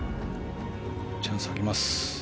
チャンスあります。